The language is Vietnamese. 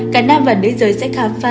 cả nam và nữ giới sẽ khám phá